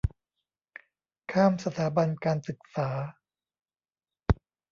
ข้ามสถาบันการศึกษา